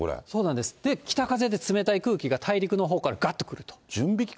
で、北風で冷たい空気が大陸のほうからがっと来ると。